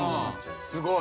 すごい。